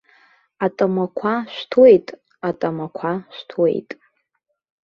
Атамақәа шәҭуеит, атамақәа шәҭуеит.